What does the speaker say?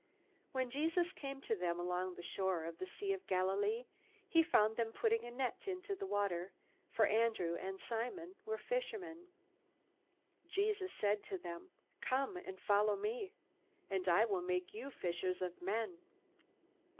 When Jesus came to them along the shore of the Sea of Galilee, he found them putting a net into the water, for Andrew and Simon were fishermen. Jesus said to them, "Come and follow me, and I will make you fishers of men."